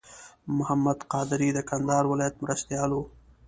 محمد قادري د کندهار ولایت مرستیال و.